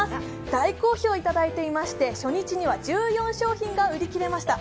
大好評をいただいていまして初日は１４商品が売り切れました。